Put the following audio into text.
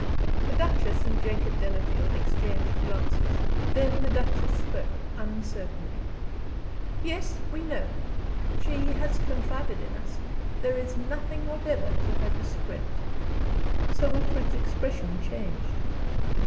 The Duchess and Jacob Delafield exchanged glances. Then the Duchess spoke uncertainly. "Yes, we know. She has confided in us. There is nothing whatever to her discredit." Sir Wilfrid's expression changed.